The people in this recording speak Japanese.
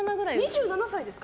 ２７歳ですか？